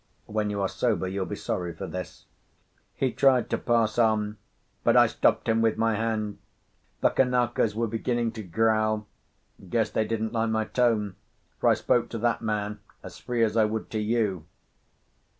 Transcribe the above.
When you are sober, you'll be sorry for this." He tried to pass on, but I stopped him with my hand. The Kanakas were beginning to growl. Guess they didn't like my tone, for I spoke to that man as free as I would to you.